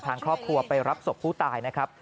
ทางครอบครัวไปรับศพผู้ตายนะครับ